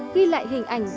ghi lại hình ảnh